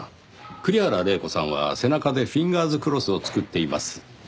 栗原玲子さんは背中でフィンガーズクロスを作っています。